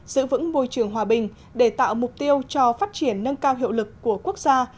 giữ vững môi trường hòa bình để tạo mục tiêu cho phát triển nâng cao hiệu lực của quốc gia